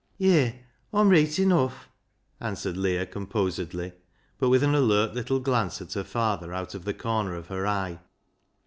Yi, Aw'm reet enuff," answered Leah, com posedly, but with an alert little glance at her father out of the corner of her eye.